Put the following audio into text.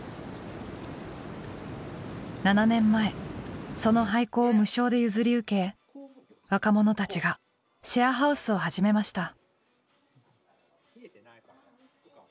７年前その廃校を無償で譲り受け若者たちがシェアハウスを始めました。